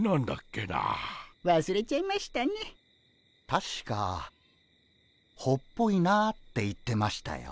たしか「ほっぽいな」って言ってましたよ。